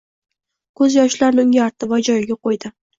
ko'zyoshlarini unga artdi va joyiga qo'ydi.